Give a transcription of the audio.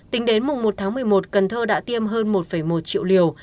tính đến mùng một tháng một mươi một cần thơ đã tiêm hơn một một triệu liều